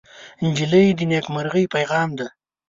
نجلۍ د نیکمرغۍ پېغام ده.